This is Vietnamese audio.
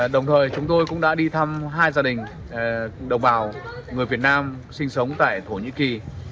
đồng thời chúng tôi cũng đã đi thăm hai gia đình đồng bào người việt nam sinh sống tại thổ nhĩ kỳ